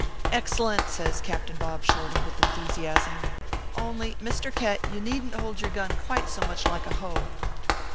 " Excellent !" says Captain Bob Shorty, with en thusiasm. " Only, Mr. Khett, you needn t hold your gun quite so much like a hoe.